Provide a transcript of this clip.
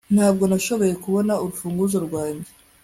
Ntabwo nashoboye kubona urufunguzo rwanjye